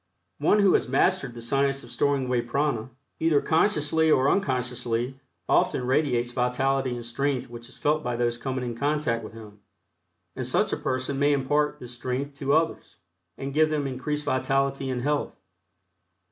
One who has mastered the science of storing away prana, either consciously or unconsciously, often radiates vitality and strength which is felt by those coming in contact with him, and such a person may impart this strength to others, and give them increased vitality and health.